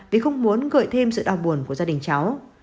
vì không muốn gợi thêm sự đau buồn của gia đình cháu